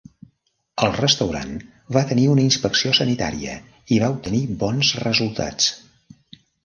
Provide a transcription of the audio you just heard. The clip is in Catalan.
El restaurant va tenir una inspecció sanitària i va obtenir bons resultats.